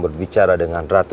beserta senur jati